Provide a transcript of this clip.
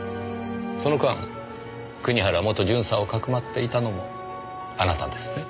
その間国原元巡査をかくまっていたのもあなたですね。